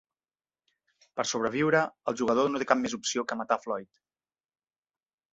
Per sobreviure, el jugador no té cap més opció que matar a Floyd.